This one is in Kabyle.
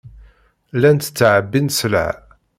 Llant ttɛebbint sselɛa.